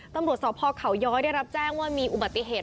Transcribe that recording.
ตำรวจสพเขาย้อยได้รับแจ้งว่ามีอุบัติเหตุ